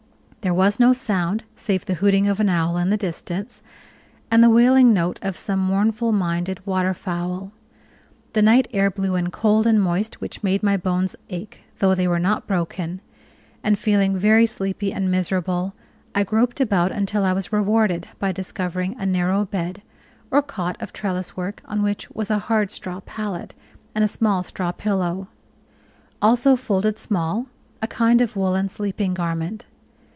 There was no sound save the hooting of an owl in the distance, and the wailing note of some mournful minded water fowl. The night air blew in cold and moist, which made my bones ache, though they were not broken; and feeling very sleepy and miserable, I groped about until I Was rewarded by discovering a narrow bed, or cot of trellis work, on which was a hard straw pallet and a small straw pillow; also, folded small, a kind of woolen sleeping garment.